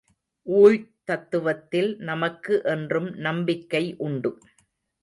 ஊழ்த் தத்துவத்தில் நமக்கு என்றும் நம்பிக்கை உண்டு.